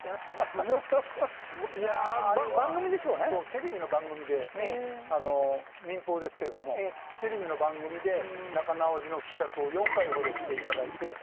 テレビの番組で民放ですけれどもテレビの番組で仲直りの企画を４回ほどしていただいて。